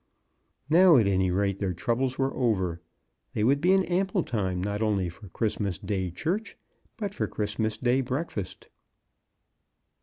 Now, at any rate, their troubles were over. They would be in ample time not only for Christmas day church, but for Christmas day breakfast.